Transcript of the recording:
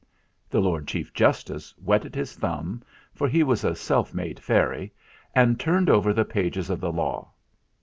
The Lord Chief Justice wetted his thumb, for he was a self made fairy, and turned over the pages of the Law.